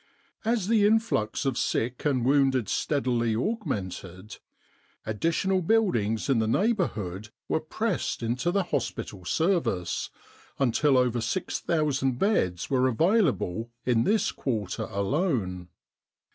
As the influx of sick and wounded steadily augmented, additional buildings in the neighbourhood were pressed into the hospital service, until over 6,000 beds were available in this quarter alone.